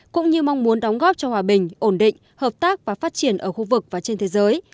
cũng như mong muốn đóng góp cho hòa bình ổn định hợp tác và phát triển ở khu vực và trên thế giới